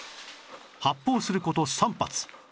発砲する事３発